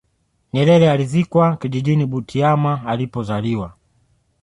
nyerere alizikwa kijijini butiama alipozaliwa